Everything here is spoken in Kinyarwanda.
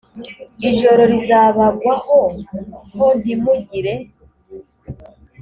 ijoro rizabagwaho h ntimugire